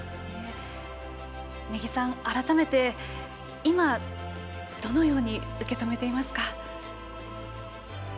根木さん、改めて今、どのように受け止めていますか？